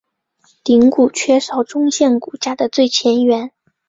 顶骨缺少中线骨架的最前缘。